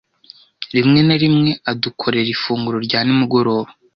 Rimwe na rimwe adukorera ifunguro rya nimugoroba.